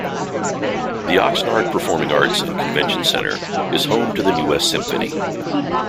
The Oxnard Performing Arts and Convention Center is home to the New West Symphony.